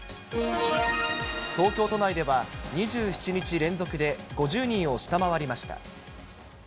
東京都内では、２７日連続で５０人を下回りました。